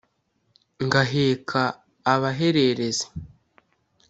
Ngaheka abahererezi